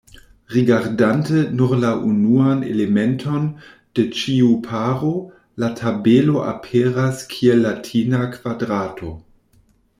Rigardante nur la unuan elementon de ĉiu paro, la tabelo aperas kiel latina kvadrato.